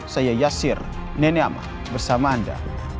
saya yasir nenek bersama anda